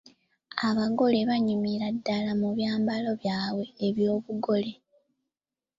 Abagole baanyumira ddala mu byambalo byabwe eby'obugole.